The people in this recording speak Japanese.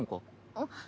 あっ。